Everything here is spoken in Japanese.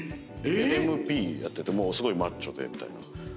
ＭＰやっててすごいマッチョでみたいな。